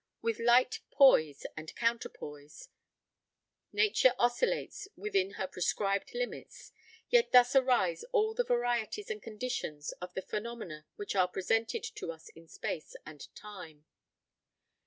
With light poise and counterpoise, Nature oscillates within her prescribed limits, yet thus arise all the varieties and conditions of the phenomena which are presented to us in space and time.